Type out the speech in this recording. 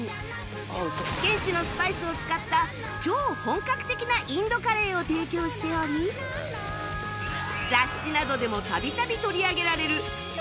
現地のスパイスを使った超本格的なインドカレーを提供しており雑誌などでも度々取り上げられる超人気店